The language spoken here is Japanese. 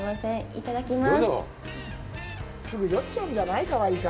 いただきます。